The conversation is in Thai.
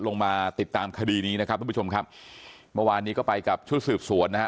ลงมาติดตามคดีนี้นะครับทุกผู้ชมครับเมื่อวานนี้ก็ไปกับชุดสืบสวนนะฮะ